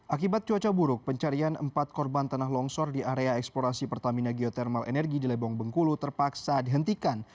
akibat cuaca buruk pencarian empat korban tanah longsor di area eksplorasi pertamina geothermal energi di lebong bengkulu terpaksa dihentikan